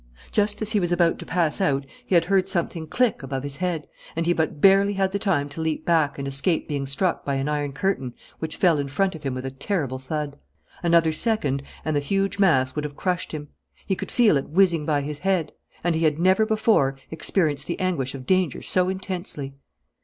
Just as he was about to pass out he had heard something click above his head and he but barely had the time to leap back and escape being struck by an iron curtain which fell in front of him with a terrible thud. Another second and the huge mass would have crushed him. He could feel it whizzing by his head. And he had never before experienced the anguish of danger so intensely.